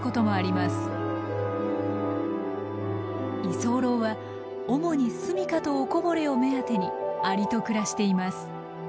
居候は主にすみかとおこぼれを目当てにアリと暮らしています。